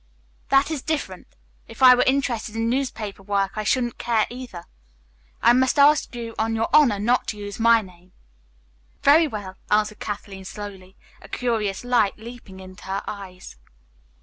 "That is different. If I were interested in newspaper work I shouldn't care, either. I must ask you on your honor not to use my name." "Very well," answered Kathleen slowly, a curious light leaping into her eyes.